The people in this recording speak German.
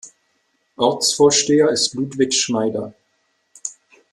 Ortsvorsteher ist Ludwig Schneider.